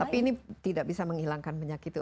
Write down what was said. tapi ini tidak bisa menghilangkan penyakit itu